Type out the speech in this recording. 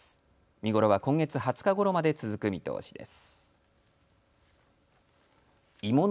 見頃は今月２０日ごろまで続く見通しです。